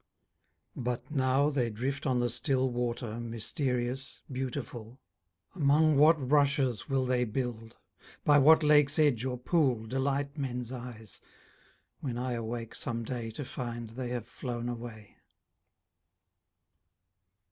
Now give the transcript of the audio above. But now they drift on the still water Mysterious, beautiful; Among what rushes will they build, By what lake's edge or pool Delight men's eyes, when I awake some day To find they have flown away?